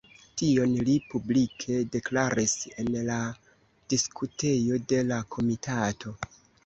Tion li publike deklaris en la diskutejo de la komitato.